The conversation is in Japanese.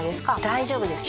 大丈夫です。